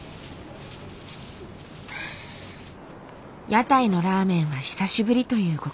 屋台のラーメンは久しぶりというご家族。